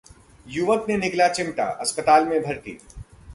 युवक ने निगला चिमटा, अस्पताल में भर्ती